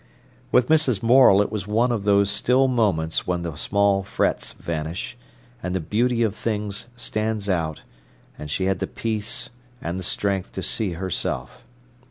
With Mrs. Morel it was one of those still moments when the small frets vanish, and the beauty of things stands out, and she had the peace and the strength to see herself.